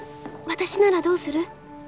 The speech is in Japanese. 私ならどうする？